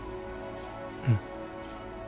うん。